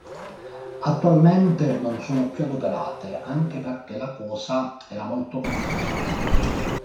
Attualmente non sono più adoperate, anche perché la cosa era molto costosa.